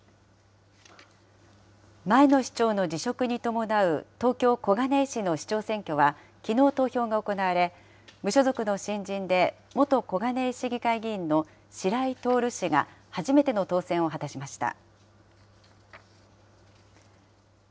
前の市長の辞職に伴う東京・小金井市の市長選挙は、きのう投票が行われ、無所属の新人で、元小金井市議会議員の白井亨氏が、初めての当選を果たしました。